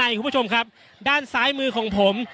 อย่างที่บอกไปว่าเรายังยึดในเรื่องของข้อ